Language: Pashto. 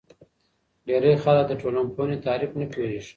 ډېری خلک د ټولنپوهنې تعریف نه پوهیږي.